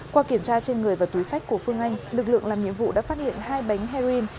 qua kiểm tra trên người và túi sách của phương anh lực lượng làm nhiệm vụ đã phát hiện hai bánh heroin